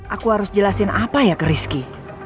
aku harus jelasin apa ya ke rizky